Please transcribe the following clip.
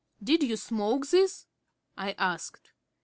"Did you smoke this?" I asked.